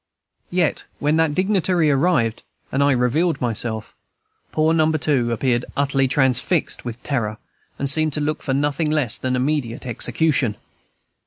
Yet, when that dignitary arrived, and I revealed myself, poor Number Two appeared utterly transfixed with terror, and seemed to look for nothing less than immediate execution.